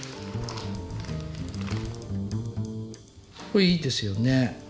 これいいですよね。